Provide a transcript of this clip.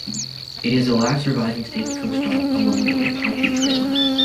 It is the last surviving stagecoach stop along the Apache Trail.